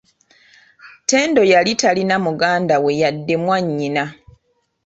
Ttendo yali talina muganda we yadde mwanyina.